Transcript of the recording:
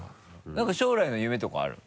なんか将来の夢とかある？